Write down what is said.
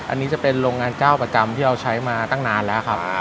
อันนี้จะเป็นโรงงานเจ้าประจำที่เราใช้มาตั้งนานแล้วครับ